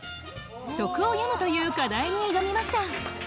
「食を詠む」という課題に挑みました。